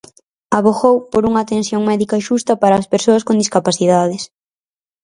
Abogou por unha atención médica xusta para as persoas con discapacidades.